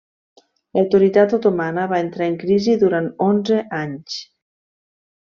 L'autoritat otomana va entrar en crisi durant onze anys.